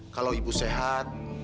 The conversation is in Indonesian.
kalau ibu sehat